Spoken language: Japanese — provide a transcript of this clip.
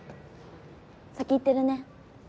先行ってるね。